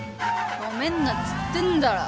もめんなっつってんだろ。